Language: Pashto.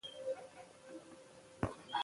په افغانستان کې د د کلیزو منظره منابع شته.